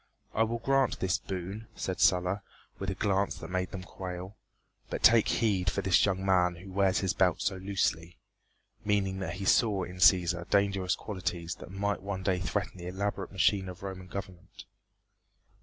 "I will grant this boon," said Sulla, with a glance that made them quail, "but take heed for this young man who wears his belt so loosely," meaning that he saw in Cæsar dangerous qualities that might one day threaten the elaborate machine of Roman government.